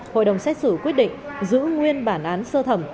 hội đồng xét xử quyết định giữ nguyên bản án sơ thẩm